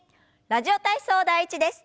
「ラジオ体操第１」です。